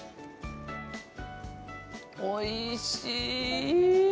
おいしい！